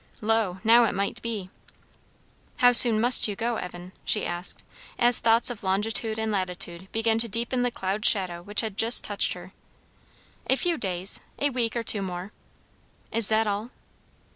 Lo, now it might be. "How soon must you go, Evan?" she asked, as thoughts of longitude and latitude began to deepen the cloud shadow which had just touched her. "A few days a week or two more." "Is that all?"